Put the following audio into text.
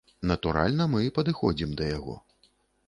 Натуральна, мы падыходзім да яго.